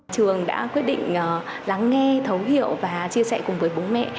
trường đã quyết định lắng nghe thấu hiểu và chia sẻ cùng với bố mẹ